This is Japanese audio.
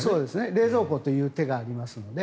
冷蔵庫という手がありますので。